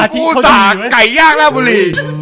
ผู้สาวไก่ย่างรักบุรี